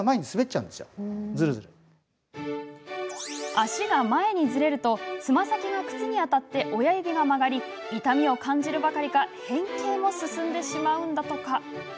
足が前にずれるとつま先が靴に当たって親指が曲がり痛みを感じるばかりか変形も進んでしまうんだとか。